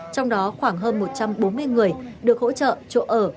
trong đó khoảng hơn một trăm bốn mươi người được hỗ trợ chỗ ở